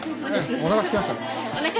おなかすきましたか。